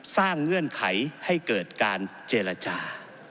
เงื่อนไขให้เกิดการเจรจา